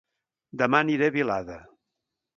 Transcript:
Dema aniré a Vilada